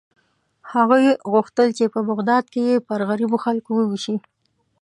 هغې غوښتل چې په بغداد کې یې پر غریبو خلکو ووېشي.